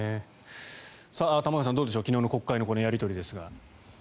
玉川さん、どうでしょう昨日の国会のやり取りですが。